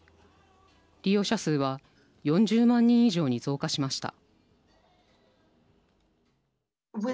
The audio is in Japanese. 利用者数は４０万人以上に増加しました。